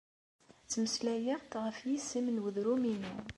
Ttmeslayeɣ-d ɣef yisem n udrum-inu.